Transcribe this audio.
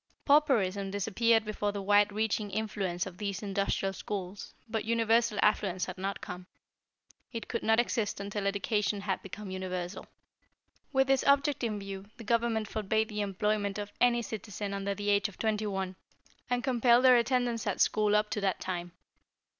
"Pauperism disappeared before the wide reaching influence of these industrial schools, but universal affluence had not come. It could not exist until education had become universal. "With this object in view, the Government forbade the employment of any citizen under the age of twenty one, and compelled their attendance at school up to that time.